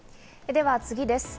では次です。